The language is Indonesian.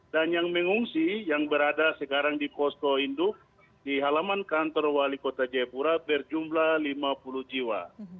dan yang mengungsi yang berada sekarang di posko induk di halaman kantor wali kota jayapura berjumlah lima puluh jiwa